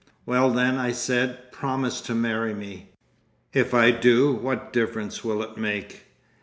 "Well then," I said, "promise to marry me!" "If I do, what difference will it make?"